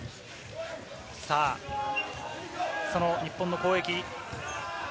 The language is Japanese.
その日本の攻撃。